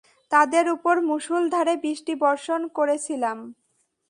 তাদের উপর মুষলধারে বৃষ্টি বর্ষণ করেছিলাম।